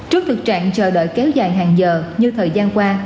trước thực trạng chờ đợi kéo dài hàng giờ như thời gian qua